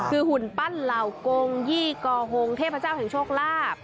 คือหุ่นปั้นเหล่ากงยี่กอฮงเทพเจ้าแห่งโชคลาภ